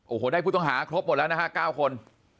โอ้โหได้ผู้ต้องหาครบหมดแล้วนะฮะ๙คน